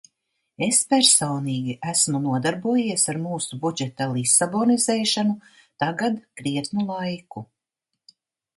"Es personīgi esmu nodarbojies ar mūsu budžeta "lisabonizēšanu" tagad krietnu laiku."